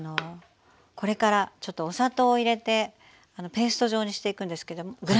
これからちょっとお砂糖を入れてペースト状にしていくんですけどもグラニュー糖ですねこれね。